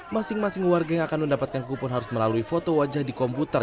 masing masing warga yang akan mendapatkan kupon harus melalui foto wajah di komputer